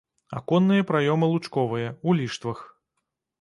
Аконныя праёмы лучковыя, у ліштвах.